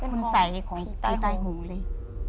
คุณใสของผีใต้หงเลย